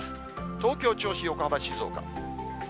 東京、銚子、横浜、静岡。